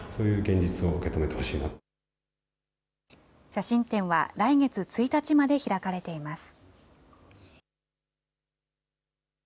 写真展は来月１日まで開かれています。